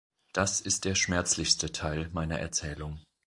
Das ist der schmerzlichste Teil meiner Erzählung.